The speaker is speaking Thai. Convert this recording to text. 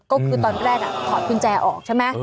ก็คือตอนแรกถอดกุญแจออกใช่ไหม